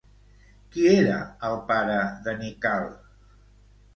Qui era el pare de Nikkal?